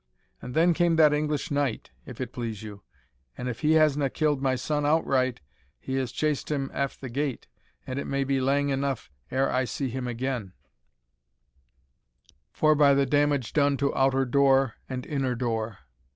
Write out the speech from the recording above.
And then came that English knight, if it please you, and if he hasna killed my son outright, he has chased him aff the gate, and it may be lang eneugh ere I see him again forby the damage done to outer door and inner door.